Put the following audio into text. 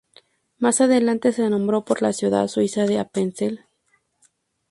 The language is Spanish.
Más adelante se nombró por la ciudad suiza de Appenzell.